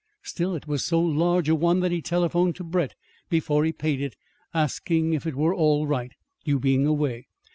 Still it was so large a one that he telephoned to Brett, before he paid it, asking if it were all right you being away.